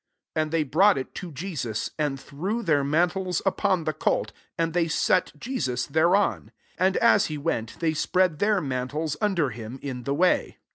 And they brought it to Je sus ; 35 and threw their mantles upon the colt, and they set Je sus thereon. 36 And as he went, they spread their mantles un der him, in the way.